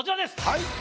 はい！